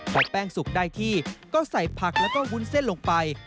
พอแป้งสุกได้ที่ก็ใส่ผักแล้วก็วุ้นเส้นลงไป